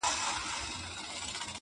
مړی هر وخت په قيامت رضا وي.